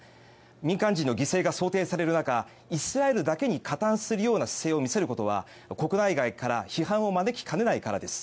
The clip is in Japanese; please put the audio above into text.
民間人の犠牲が想定される中イスラエルだけに加担するような姿勢を見せることは国内外から批判を招きかねないからです。